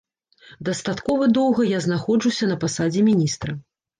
Дастаткова доўга я знаходжуся на пасадзе міністра.